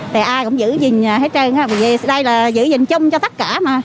tại ai cũng giữ gìn hết trơn bây giờ đây là giữ gìn chung cho tất cả mà